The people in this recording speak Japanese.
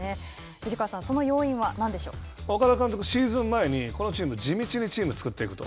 藤川さん岡田監督、シーズン前にこのチーム、地道にチームを作っていくと。